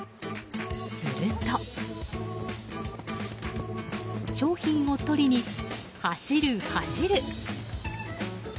すると商品を取りに、走る走る！